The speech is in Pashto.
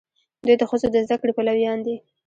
دوی د ښځو د زده کړې پلویان دي.